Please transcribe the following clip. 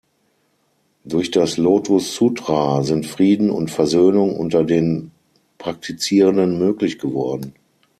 Durch das Lotus Sutra sind Frieden und Versöhnung unter den Praktizierenden möglich geworden.